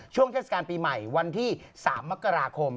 ช่วงเทศกาลปีใหม่วันที่๓มกราคม